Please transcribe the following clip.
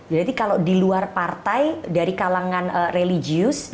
jadi kalau di luar partai dari kalangan religius dari kalangan egosistik apa yang bisa dikawal